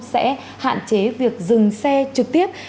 sẽ hạn chế việc dừng xe trực tiếp